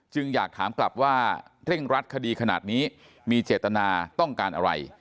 อยากถามกลับว่าเร่งรัดคดีขนาดนี้มีเจตนาต้องการอะไร